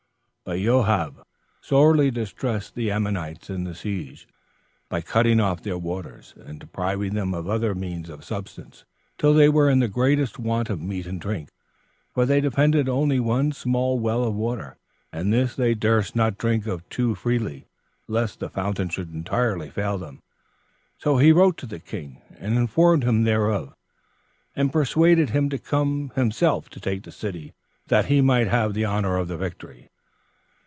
5. But Joab sorely distressed the Ammonites in the siege, by cutting off their waters, and depriving them of other means of subsistence, till they were in the greatest want of meat and drink, for they depended only on one small well of water, and this they durst not drink of too freely, lest the fountain should entirely fail them. So he wrote to the king, and informed him thereof; and persuaded him to come himself to take the city, that he might have the honor of the victory.